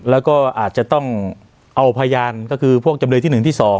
แล้วก็อาจจะต้องเอาพยานก็คือพวกจำเลยที่๑ที่๒